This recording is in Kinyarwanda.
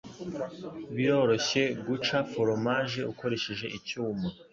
Biroroshye guca foromaje ukoresheje icyuma.